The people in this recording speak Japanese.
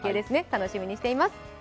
楽しみにしています。